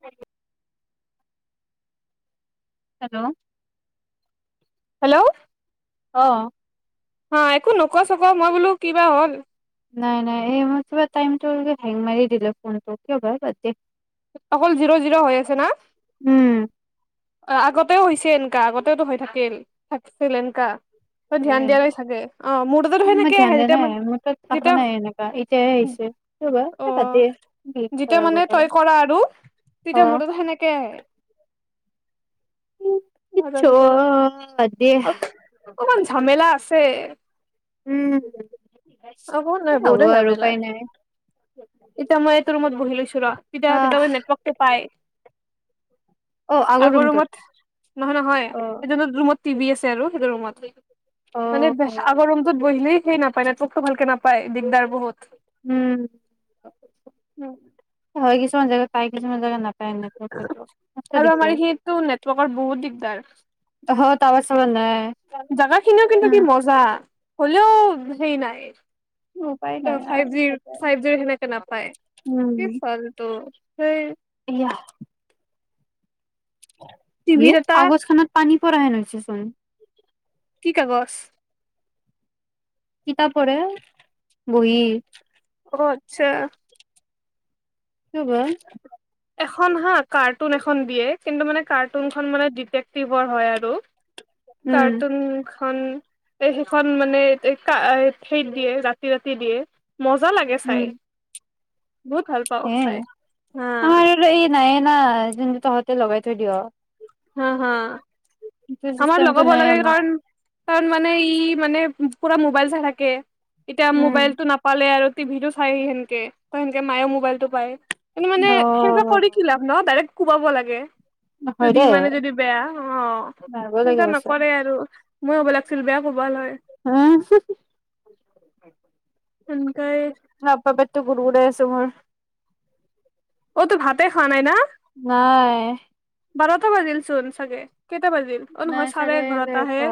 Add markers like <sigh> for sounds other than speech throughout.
হয় hello hello অ' হা একো নক চক মই বোলো কিবা হল নাই নাই এই মইিবা টাইমটো হেংগ মাৰি দিল ফোনটো কিয় ব ব দে অকল জিৰ' জিৰ' হৈ আছে না উম আগতেও হৈছে এ আগতেতো হৈ থাকিল থাকিছিল এনকা উ মই সেনেকে ধ্যান আহে দিয়া যেতিয়া নাই মান মোৰ তাত থা যেতিয়া নাই এনেকুৱা এতিয় আহিছে ৰব অ গত যেতিয়া মানে চৰা তই কৰা আৰু তেতিয়া ম তত সেনেকে উ নাজানো কিয় বা দিয় অকমান ঝমেলা আছে উম স অকমান নহয় হ'ব বহুতে আৰু ঝামেলা উপায় নাই এতিয়া মই এইটো ৰুমত বহিিলোছো কতিয়া আহ নেটৱৰ্কটো পায় অ <inaudible> আগৰ ৰুমটোত ৰুমত নহয় নহয় অ এজন ৰুমত টিভি আছে আৰু সেইটো ৰুমত অ মানে বে আগৰ ৰুমটোত বহিলেই সেই নাপায় নেটৱকটো ভালকে নাপায় দিগদাৰ বহুত উম উম, হয় কিছুমান জেগা পায় কিছমান জো নাপায় এনেকে বস্তুটো মস্ত আৰু আমাৰ দিগদাৰ সটো নেটৱৰ্কৰ বহুত দিগদাৰ কাৱচ নে জাগা খিনিও কিন্তু কি মজা হ'লেও সেই নাই উপায় নাই ফাইভ জিৰ আৰু ফাইভ জিৰ সেনেকে নাপায় কি চল তটো স ইয়া ইে টিভিত এটা আগজ খানাত পানী প হেনছ চোন কি কাগজ কিতাপ পঢ় বহি অ আচ্ছা ক বা এখন হা কাৰ্টুন এখন দিয়ে কিন্তু মানে কাৰ্টুনখন মানে ডিটেক্টিভৰ হয় আৰু উম কাৰ্টুন সখন এ সেইখন মানে ক সেত দিয়ে ৰাতি ৰাতি দিয়ে মজা লাগে উম চাই বহুত ভাল পাওঁ হে চাই। হা আমাৰ এই নাই ন যেম ত য়া লগাই থৈ দিয় হ হা সেইটো আমাৰ চিষ্টেমটো লগাব নাই লাগে আমাৰ কাৰণ কাৰণ মানে ই মানে পুৰা মোবাইল চাই থাকে এতিয়া উম মোবাইলতটো নাপালে আৰু টিভি টো চাইি সেনকে ত সেনকে মায়েও মোবাইল টো পায় কিন্তু মানে অ সেনেকুৱা কৰি কি লাভ ন ডাইৰেক্ট কোবাব লাগে হয় দি দেই মানে যদি বেয়া অ মাৰিব সনো লাগিব চা নকৰে আৰু মই হ'ব লাগছিল বেয়া কবাল হয় <unintelligible> <unintelligible> <unintelligible> টো <unintelligible> অতো ভাতে খোৱা নাই না? নাই। বাৰতা বজিল চোন চাগে। কেইটা বাজিল? অ' নাই নহয় চাৰে এঘাৰটাহে এঘাৰটা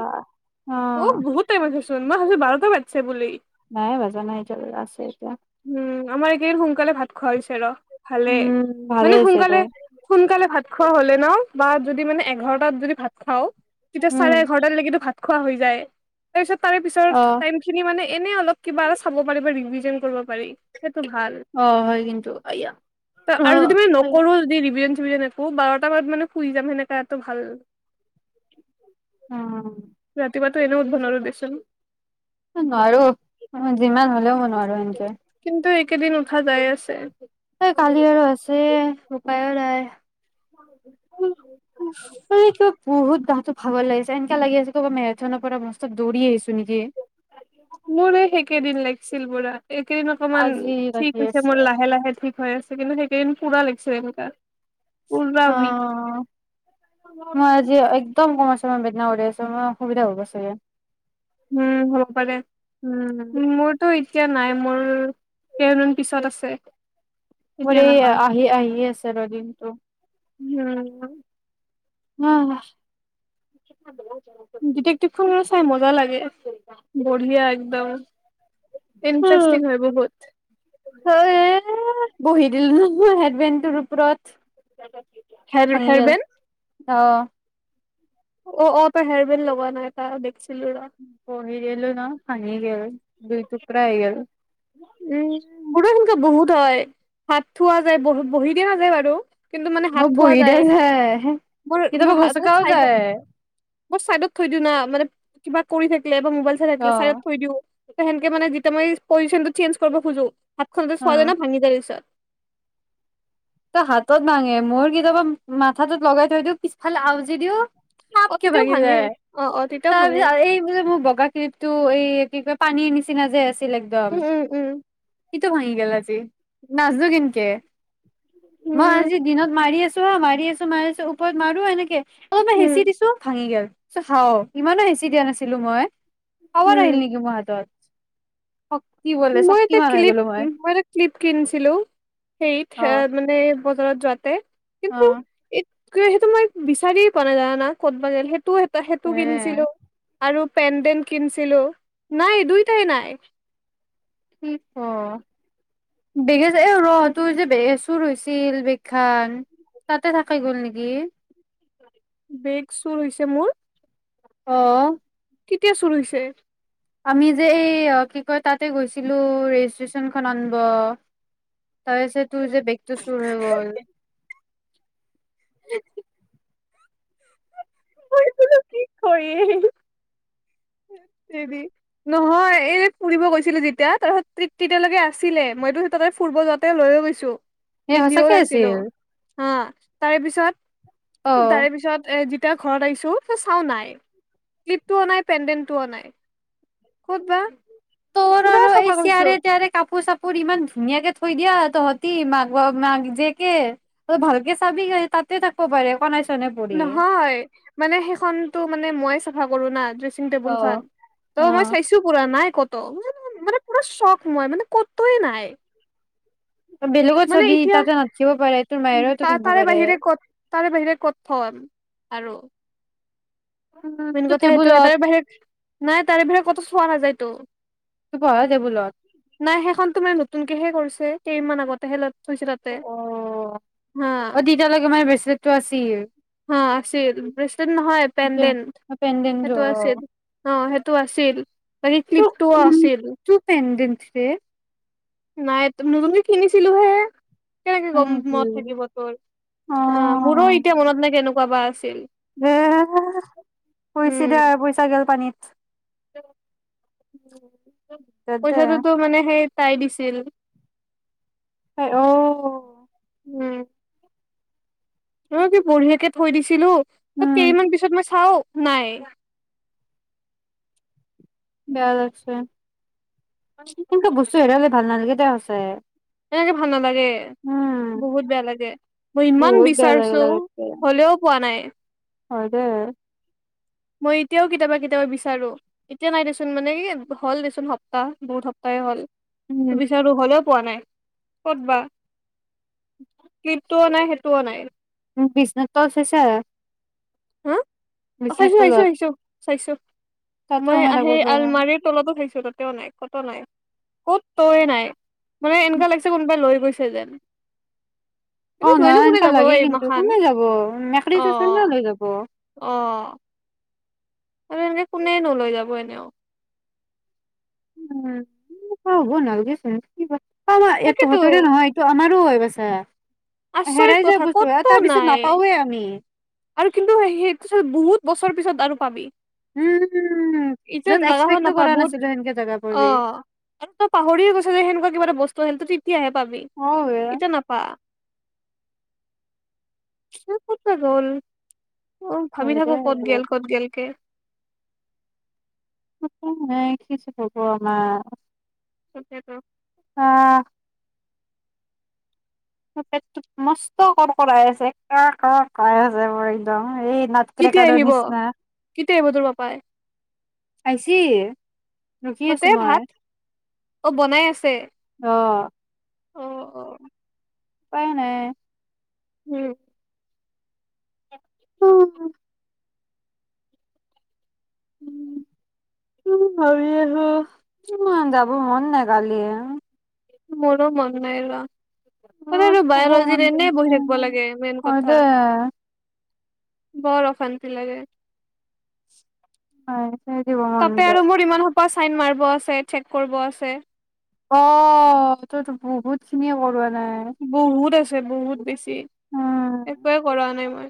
অ', বহুত টাইম আছে মই ভাবছো বাৰটা বাজছে বুলি। নাই বজা নাই <unintelligible> এতিয়া উম আমাৰ এইকেদিন সোনকালে ভাত খোৱা হৈছে ৰ ভালে উম ভালে মানে হৈছে দে সোনকালে, সোনকালে ভাত খোৱা হ'লে ন বা যদি মানে এঘাৰটাত যদি ভাত খাওঁ। তেতিয়া উম চাৰে এঘাৰটালেকেতো ভাত খোৱা হৈ যায় তাপিছত তাৰে পিছত অ টাইম খিনি মানে এনে অলপ কিবা চাব পাৰি বা ৰিভিজন কৰিব পাৰি। সেইটো অ', হয়, কিন্তু আয়া ত', অ আৰু যদি তুমি নকৰোঁ <unintelligible> <unintelligible> একো বাৰটামানত, মানে, শুই যাম। সেনেকাটো ভাল অ'। ৰাতিপুৱাটো এনেও উঠিব নোৱাৰোঁ দেচোন। এ, নোৱাৰোঁ। যিমান হ'লেও মই নোৱাৰোঁ। আৰু এনকে কিন্তু এইকেইদিন উঠা যায় আছে। এই কালি আৰু আছে <unintelligible> উফ্ মানে কিবা বহুত গাটো ভাগৰ লাগিছে। এনেকে লাগি আছে কবা মেৰেথনৰ পৰা মস্ত দৌৰি আহিছো। নেকি মোৰ এহ সেইকেইদিন লাগছিল বুৰা, এইকেইদিন অকমান আজি লাগি ঠিক হৈছে আছে মোৰ লাহে লাহে ঠিক হৈ আছে কিন্তু সেইকেইদিন পুৰা লাগিছে এনেকুৱা। অহ মই আজি একদম কচ অহ বেগনা উৰাইছে মৰ অসুবিধা হ'ব চাগে। উম হ'ব পাৰে, উম মোৰতো এতিয়া নাই মোৰ কেইদিন পিছত আছে। মোৰ এতিয়া এই এই নহয় আহি আহি আছে <unintelligible> ‌ দিনটো <unintelligible> <unintelligible> <unintelligible> ডিটেকটিভ খন চাই মজা লাগে। বঢ়িয়া একদম। ইন্টাৰেষ্টিং হয় বহুত। হয় বহি দিলো ন মই হেজবেণ্ডৰ ওপৰত। হেৰ হেৰবেণ্ড। অহ অ অ তই হেৰবেণ্ড লগোৱা নাই <unintelligible> ৰ বহি দিলো ন ভাঙি গেল। দুই টুকুৰা আহ হৈ গেল উম মোৰো সেনেকুৱা বহুত হয়, হাত থোৱা যায় বহ বহি দিয়া নাযায় বাৰু। কিন্তু মানে হাত মই থোৱা বহি দিয়া যায়, হ মোৰ কেতিয়াবা গচকাও যায়। মই চাইডত থৈ দিও না মানে কিবা কৰি থাকো নাইবা মোবাইল চাই অ থাকিলে চাইত থৈ দিওঁ হে হেনকে মানে যেতিয়া মই পজিশ্যন টো চেঞ্চ কৰিব খোজো। হাত খন যে অ চোৱা যায় ন ভাঙি যায় পিছত তই হাতত ভাঙে মোৰ কেতিয়াবা মাথাটোত লগাই থৈ দিও পিছফালে আউজি দিও। অ থাপকে তেতিয়াও ভাাগি ভাঙে যায়, অ অ তেতিয়াও তাৰ ভাঙে পিছত এই যে মোৰ বগা কিপটো এই কি কয় পানীৰ নিচিনা যে আছে উম উম উম ইটো ভাঙি গেল আজি নাচো কিনকে মই উম আজি দিনত মাৰি আছো মাৰি আছো মাৰি আছোঁ উপৰত মাৰো এনেকে অবা উম হেঁচি দিছো ভাঙি গেল চ হাও ইমানো হেঁচি দিয়া নাছিলো মই আবাৰ উম আহিল নেকি মহাতত মই এটা ক্লিপ মই এটা ক্লিপ কিনিছিলো হেত সেয়া মানে বজাৰত যোৱাতে অ কিয় সেইটো মই বিচাৰিয়ে পোৱা নাই জানানা ক'তবা ৰেল সেটো সেইটো তা সেইটো হে কিনিছিলো আৰু পেণ্ডেণ্ট কিনছিলো নাই দুইটাই নাই কি ক অ বেগেযে এ ৰহ তোৰ যে বেগ চুৰ হৈছিল বেগ খান তাতে থাকাই গ'ল নেকি বেগ চুৰ হৈছে মোৰ অ কেতিয়া চুৰ হৈছে আমি যে এই কি কয় তাতে গৈছিলো ৰেজিষ্ট্ৰেচন খন আনব তাৰেছে তোৰ যে বেগটো চুৰ হৈ গল উমহ হু উম হু হু বহিতুলৈ কি কৰিম হেত বেবি নহয় এইযে ফুৰিব গৈছিলো যেতিয়া তাৰহাতত তেতিয়ালৈকে আছিলে মইতো তাতে ফুৰিব যাওঁতে লৈয়ে গৈছো এ সঁচাকে হৈ আ তাৰে পিছত তাৰে পিছত এ জিপ এতিয়া ঘৰত আহিছো ত চাও নাই ক্লিপটো নাই পেণ্ডেনটোও নাই ক'ত বা তোৰ পুৰা আৰু এই চাফা কৰিছো চেয়াৰে তিয়াৰে কাপোৰ চাপোৰ ইমান ধুনীয়াকে থৈ দিয়া তহঁতি মাক মাক জে কে ত ভালকে চাবি তাতে থাকব পাৰে কোৱা নাই নহয় মানে সেইখনতো মানে মই চাফা কৰো না দৃচ সিং অ টেবুলখন ত মই অ চাইছো পুৰা নাই ক মান পৰা শখময় মান কতই নাই <unintelligible> বেলেগত মানে চাবি এতিয়া তাতে নাথকিব পাৰে তোৰ ত মায়েৰেতো পিন্ধিব তাৰে পাৰে বাহিৰে কত তাৰে বাহিৰে কত থম আৰু উম মেইন তোৰ কথা সেইটোহে টেবুলত তাৰে বাহিৰে নাই তাৰে বাহিৰে কতো চোৱা নাযায় ত তোৰ পঢ়া টেবুলত নাই সেইখন তোমাৰ নতুনকেহে কৰিছে কেইমান আগতে হে লল থৈছিলা তে অ না অ তেতিয়ালৈকে মানে ব্ৰেচলেটটো আছিল হা আছিল ব্ৰেচলেট নহয় সেই পেনডেণ্টটো অ আ অ সেইটো আছিলপ আ ন্দঞ্চ দে নাই নতুনক কিনিছিলো হে কেনেকে হয় গম নেকি মত থাকিব তোৰ অ হ মোৰো এতিয়া মনত নাই কেনেকুৱা বা আছিল হ শুইছ দে আৰু পইচা গল পানীত বাদ দে পইচাটোোতো মানে সেই তাই দিছিল হয় অ উম অ কি বঢ়িয়াকে থৈ দিছিলো ত উম কেইমান পিছত মই চাও নাই বেয়া আছে তেন্ত বুস্ত হে লগ ভাল নালকিতে আছে এনেকে ভাল নালাগে বহুত বেয়া লাগে মই ইমান বহুত বেয়া লাগে বিচাৰছো হলেও পোৱা নাই অদে মই এতিয়াও কেতিয়াবা কেতিয়াবা বিচাৰো এতিয়া নাই দেচোন মানে কি হ'ল দেচোন সপ্তাহ বহুত সপ্তাহ হ'ল উম বিচাৰো হ'লে পোৱা নাই ক'ত বা কিটোও নাই সেইটোও নাই বিিজনেছটো আছেছে হম অ চাইছো আহাইছো আহিছো চাইছো তাতে মই সোমাই আহে থাকিব পাৰে ন আলমাৰীৰ তলতো খাইছো তাত ক নাই ক'ত নাই ক'ত তয়ে নাই মানে এনেুৱা লাগিছে কোনোবাই লৈ গৈছে যেন অ কিন্তু না লৈনো কোনে এনো যাব লাগে এই কিন্তু মাখান কোনে যাব মেী চ ন লৈ যাব আহ আৰু এনেকে কোনে নলৈ যাব এনেও উম কব নালগে চিবা অমাৰ এই তাকেতো তহতৰে নহয় এইটো আমাৰ হৈ মছে আচৰিত হেৰাাই যায় কথা বুজ্ত ব ক'তো তাৰ পিছত নাই নাপাৱওৱে আমি আৰু কিন্তু সেইটো বহুত বছৰ পিছত আৰু পাবি উম এতিয়া য'ত লগা হ এক্সপেক্টটো নাপায় কৰা বহুত নাছিলো সেনকে জেগা অ পৰিবি আৰু ত পাহৰিয়ে গৈছে যে সেনেকুৱা কিবা এটা বস্তু আহিল এতিয়াহে পাবি অ বে ইতিয়া নাপা সি কতে গ'ল অ ভাবি হয় দে থাকো কত গেল কত গেল কে পইচা নাই কিযে হব আমাৰ তাকে থৌ আহ মষ্ট কৰা কৰাই আছে কৰ কৰ কৈ আছে একদম এই নাট কেতিয়া ক্ৰেকাৰৰ আহিব নিচিনা কেতিয়া আহিব তোৰ পাপাই আইছি এ ততে ভাত অ বনাই আছে অ অ অ উপাই নাই উম উ উম উ ভাবি আছো মোৰ যাব মন নাই কালি মোৰ মন নাই যোৱা সদায় ইমান তো শুব মন বায়লজিত এনেই গৈছে বহি থাকিব লাগে মেইন হয় দে কথা বৰ অশান্তি লাগে হয় তাতে আৰু মোৰ ইমান পা চাইন মাৰিব আছে চেক কৰিব আছে অ তইতো বহুত খিনিয়ে কৰোৱা নাই বহুত আছে বহুত বেছি উম একোৱে কৰা নাই মই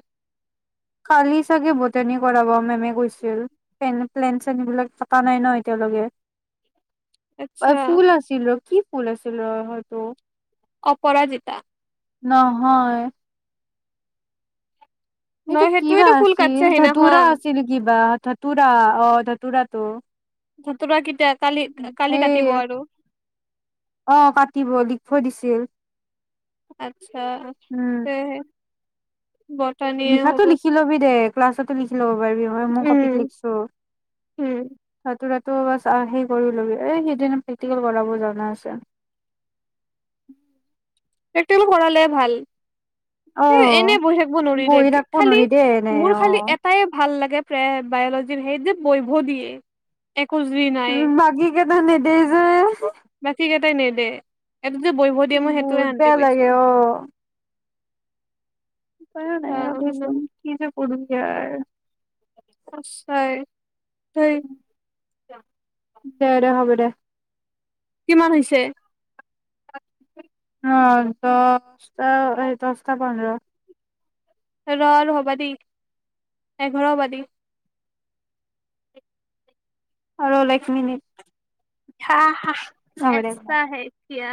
কালি চাগে বটানী কৰাব মেমে কৈছিল পেন প্লেন চেন বিলাক কতা নাই ন এতিয়ালৈকে আচ্ছা অ ফুল আছিল ৰ কি ফুল আছিল ৰ হয়তো অপৰাজিতা নহয় এইটো নহয় কিবা সেইটোয়েতো ফুল কাটছে আছিল ধতুৰা সেইদিনাখন আছিল কিবা ধতুৰা অ ধতুৰাটো ধতুৰা কেতিয়া কালি কালি এ কাটিব আৰু অ কাটিব লিখিব দিছিল আচ্ছা উম তে লিখাতো লিখি লবি দে ক্লাছতো লিখি লব পা পাৰিবি মই কপিত উম লিখিছো উম ধতুৰাটো ত' ব সেই কৰিলবি এই সেইদিনা প্ৰেক্টিকেল কৰাব জানা আছে পালে ভাল অ এ, এনে বহি থাকিব নোৱাৰি দে। বহি থাকিব খালি নোৱাৰি দেই এনে মোৰ অ খালি এটাই ভাল লাগে, প্ৰায় বায়'লজি সেই যে বহিব দিয়ে একো জুই নাই <unintelligible> নেদেই যে বাকী কেইটাই নে দেই এইটোত যে বহিব দিয়ে, মই সেইটোৱেই বহুত শান্তি বেয়া লাগে পাইছোঁ। উপায়ও নাই আৰু দেচোন। কিন্তু <inaudible> আচ্ছাই তই <inaudible> দে দে, হ'ব দে। কিমান হৈছে অ' দহটা দহটা পন্ধৰা ৰ আৰু হ'বা দেই এঘাৰ হ'বা দি আৰুলে এক মিনিটা এছা হ এতিয়া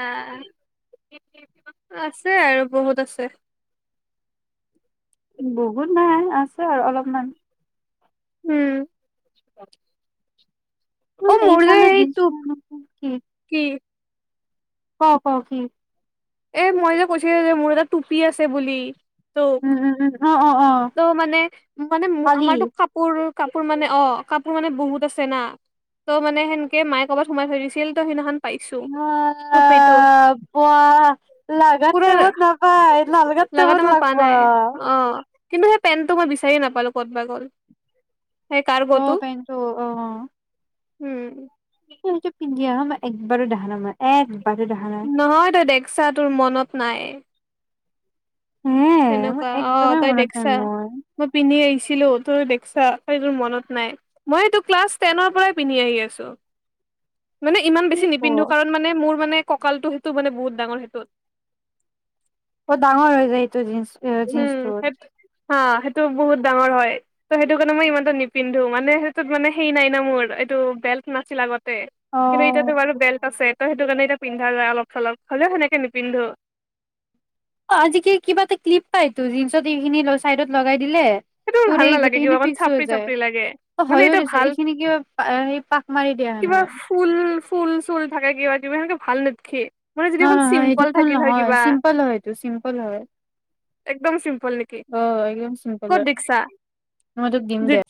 আছে আৰু বহুত আছে বহুত নাই আছে আৰু অলপমান উম অ মোৰ যে এইফালে জ সেই টোপ কি কি ক প কি এ মই যে কৈছো যে মোৰ এটা টুপি আছে বুলি ত উম উম উম অ', অ', অ', ত' মানে মানে কালি আমাৰতো কাপোৰ কাপোৰ মানে অ কাপোৰ মানে বহুত আছে না ত' মানে সেনকে মায়ে কৰ'ৰবাত সোমাই থৈ দিছিল ত সেইদিনাখন পাইছো অ টুপিটো বোৱা পুৰা লাগাততে বত নাপাই লালগাত লগা বত টাইমত পোৱা লাগব নাই অ কিন্তু সেই পেণ্টটো মই বিচাৰিয়ে নাপালো ক'ত বা গ'ল সেই অ কাৰ্গোটো পটোো অ অ উম! স সেইটো পিন্ধি অহা ম একবাৰো ডান মই এক নহয় তই দেখছা তোৰ মনত নাই হে মই সেনেকুৱা অ একদমেই তই মনত নাই দেখছা মোৰ মই পিন্ধি আহিছিলো ত ম ন মই্ানৰ পৰান্ধ মানে ইমান কি বেছি ক নিপিন্ধো কাৰণ মানে মোৰ মানে কঁকালটো সেইটো মানে বহুত ডাঙৰ সেইটোত বহত ডাঙৰ হৈ যায় জিন্ এ উম জিন্সটো সেই হা সেইটো বহুত ডাঙৰ হয় ত সেইটো কাৰণে মই ইমানো নিপিন্ধো মানে সেইটোত মানে সেই নাই না মোৰ এইটো বেল্ট নাছিল আগত অ'। কিন্তু ইতিয়াতে বাৰু বেল্ট আছে ত সেইটো কাৰণে এতিয়া পিন্ধা যায় অলপ চলপ হ'লেও সেনেকে নিপিন্ধো অ আজি কি কিবা এটা ক্লিপ পায় তো জিন্চত এইখিনি চাইডত লগাই দিলে সেইটো দৰে ভাল নালাগে গোটেইখিনি কিবা অকণ ফিক্স হৈ চাপৰি যায় চাপৰি লাগে অ মানে হয়য়ো এতিয়া দিছ ভাল এইখিনি কিবা স পাক মাৰি দিয়া হে কিবা নহয় ফুল ফুল চুল থাকে কিবা কিবা এনেকে ভাল নেদ খে নহ ন ন এইটো ফুল নহয় চিম্পল হয় এইটো চিম্পল হয় একদম চিম্পল নেকি অ একদম চি্প ক'ত দেছা